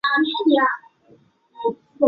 故治在今四川省大竹县东南。